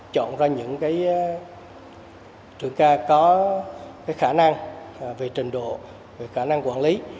chúng ta có khả năng về trình độ khả năng quản lý